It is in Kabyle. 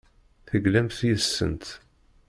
Teglamt yes-sent.